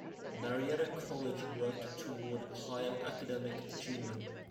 Marietta College worked toward high academic achievement.